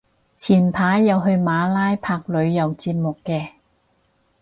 前排有去馬拉拍旅遊節目嘅